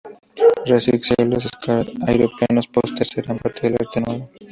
Rascacielos, aeroplanos, posters, eran parte del arte nuevo.